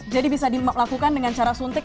jadi bisa dilakukan dengan cara suntik